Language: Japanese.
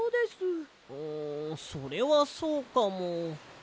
んそれはそうかも。